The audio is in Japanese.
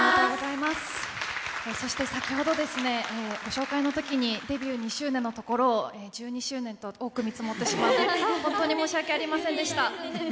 そして先ほど御紹介のときにデビュー２周年のところを１２周年と多く見積もってしまって本当に申し訳ありませんでした。